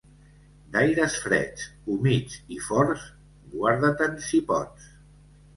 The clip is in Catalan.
D'aires freds, humits i forts, guarda-te'n si pots.